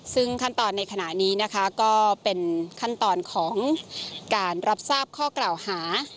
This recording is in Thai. ซึ่งขั้นตอนในขณะนี้นะคะก็เป็นขั้นตอนของการรับทราบข้อกล่าวหา